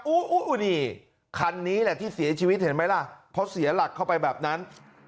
โอ้โหนี่คันนี้แหละที่เสียชีวิตเห็นไหมล่ะเพราะเสียหลักเข้าไปแบบนั้น